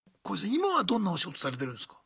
今はどんなお仕事されてるんですか？